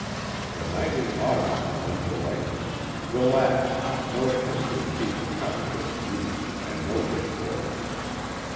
The night in August had been delightful; relaxed, no attempt to achieve a counterfeit of youth, and no wish for it.